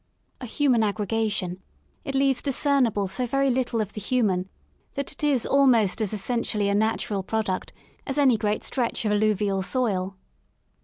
A human aggregation, it leaves discernible so very little of the human that it is almost as essentially a natural product as any great stretch of alluvial soil.